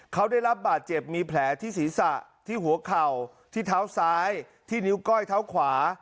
เขาได้รับบาดเจ็บมีแผลที่ศีรษะที่หัวเข่าที่เท้าซ้ายที่นิ้วก้อยเท้าขวา